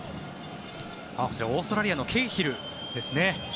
こちらオーストラリアのケーヒルですね。